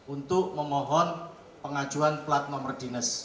untuk memohon pengajuan plat nomor dinas